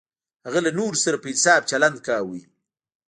هغه له نورو سره په انصاف چلند کاوه.